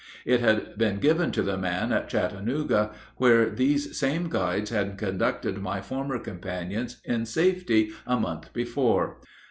It had been given to the man at Chattanooga, where these same guides had conducted my former companions in safety a month before.